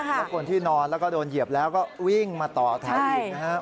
แล้วคนที่นอนแล้วก็โดนเหยียบแล้วก็วิ่งมาต่อแถวอีกนะครับ